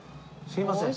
すいません。